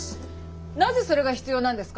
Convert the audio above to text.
なぜそれが必要なんですか？